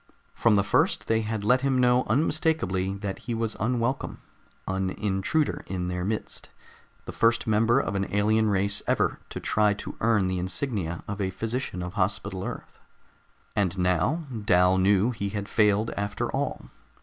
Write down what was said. From the first they had let him know unmistakably that he was unwelcome, an intruder in their midst, the first member of an alien race ever to try to earn the insignia of a physician of Hospital Earth. And now, Dal knew he had failed after all.